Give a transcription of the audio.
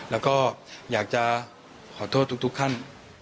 แล้วก็อยากจะขอโทษทุกท่าน